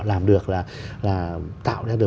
làm được là tạo ra được